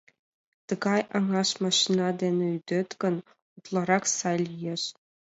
Тыгай аҥаш машина дене ӱдет гын, утларак сай лиеш.